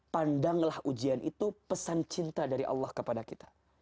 pandanglah ujian itu pesan cinta dari allah kepada kita